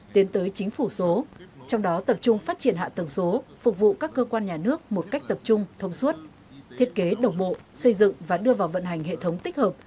tiến tới chính phủ số trong đó tập trung phát triển hạ tầng số phục vụ các cơ quan nhà nước một cách tập trung thông suốt thiết kế đồng bộ xây dựng và đưa vào vận hành hệ thống tích hợp